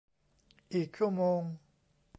อีกชั่วโมง